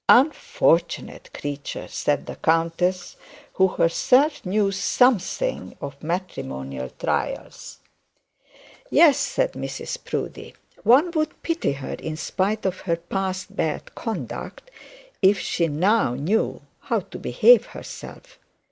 'Unfortunate creature!' said the countess, who herself knew something of matrimonial trials. 'Yes,' said Mrs Proudie; 'one would pity her, in spite of her past bad conduct, if she knew how to behave herself.